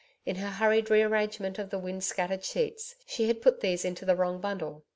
In her hurried rearrangement of the wind scattered sheets she had put these into the wrong bundle.